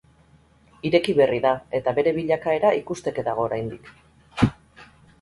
Ireki berri da eta bere bilakaera ikusteke dago oraindik.